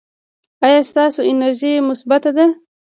ایا ستاسو انرژي مثبت ده؟